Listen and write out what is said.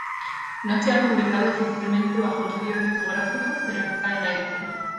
No se ha publicado oficialmente bajo un sello discográfico, pero está en iTunes.